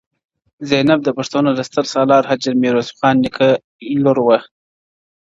زینب د پښتنو د ستر سالار حاجي میرویس خان نیکه لور وه,